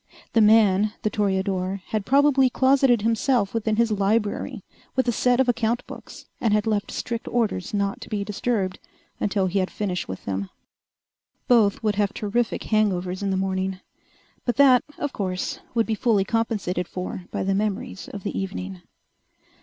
The man, the toreador, had probably closeted himself within his library with a set of account books and had left strict orders not to be disturbed until he had finished with them. Both would have terrific hangovers in the morning. But that, of course, would be fully compensated for by the memories of the evening.